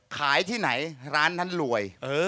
ขายที่ไหนร้านนั้นรวย